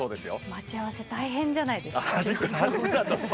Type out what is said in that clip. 待ち合わせ大変じゃないですか。